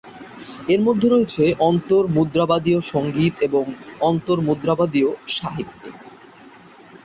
এর মধ্যে আছে অন্তর্মুদ্রাবাদীয় সঙ্গীত এবং অন্তর্মুদ্রাবাদীয় সাহিত্য।